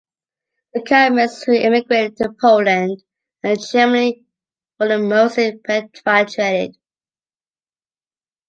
The Kalmyks who emigrated to Poland and Germany were mostly repatriated.